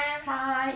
はい。